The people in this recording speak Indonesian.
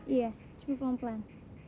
iya coba pelan pelan